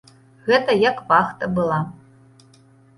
Гэта як вахта была.